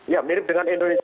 ya mirip dengan indonesia